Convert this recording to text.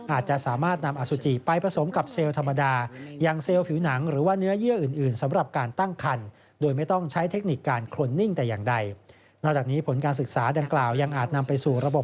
อาจจะสามารถนำอสุจิไปผสมกับเซลล์ธรรมดายังเซลล์ผิวหนังหรือว่าเนื้อเยื้ออื่นสำหรับการตั้งคั่นโดยไม่ต้องใช้เทคนิคการคลนนิ่งแต่อย่างใด